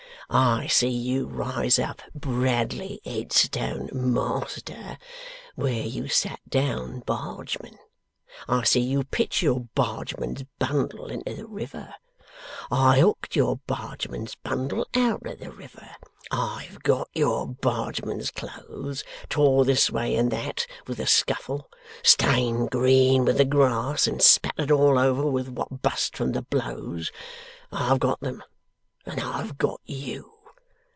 I see you rise up Bradley Headstone, Master, where you sat down Bargeman. I see you pitch your Bargeman's bundle into the river. I hooked your Bargeman's bundle out of the river. I've got your Bargeman's clothes, tore this way and that way with the scuffle, stained green with the grass, and spattered all over with what bust from the blows. I've got them, and I've got you.